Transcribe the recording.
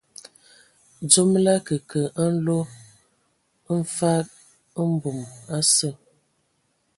Dzom lə akǝkǝ nlo mfag mbum a sə.